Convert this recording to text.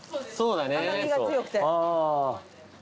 甘味が強くて。